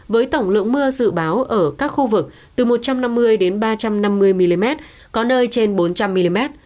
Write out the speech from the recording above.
với tổng lượng mưa dự báo ở các khu vực từ một trăm năm mươi đến ba trăm năm mươi mm có nơi trên bốn trăm linh mm